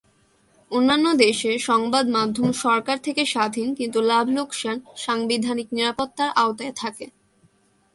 অন্যান্য দেশে, সংবাদ মাধ্যম সরকার থেকে স্বাধীন কিন্তু লাভ-লোকসান সাংবিধানিক নিরাপত্তার আওতায় থাকে।